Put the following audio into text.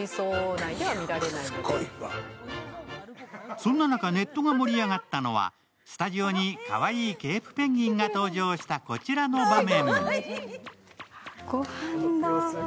そんな中、ネットが盛り上がったのはスタジオにかわいいケープペンギンが登場した、こちらの場面。